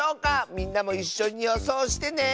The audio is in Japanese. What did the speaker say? みんなもいっしょによそうしてね！